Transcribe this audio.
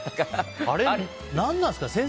あれ、何なんですかね。